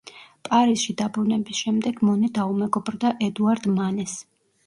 პარიზში დაბრუნების შემდეგ მონე დაუმეგობრდა ედუარდ მანეს.